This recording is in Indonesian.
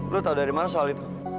lu tahu dari mana soal itu